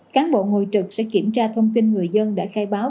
cán bộ ngồi trực sẽ kiểm tra thông tin người dân đã khai báo